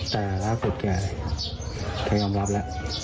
แต่ล่าสุดแกยอมรับแล้ว